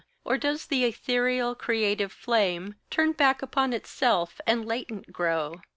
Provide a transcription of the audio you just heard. Or does the etherial, creative flame Turn back upon itself, and latent grow?